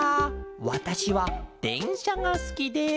わたしはでんしゃがすきです」。